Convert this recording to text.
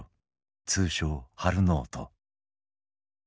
通称ハル・ノート。